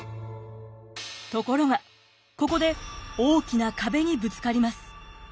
ところがここで大きな壁にぶつかります。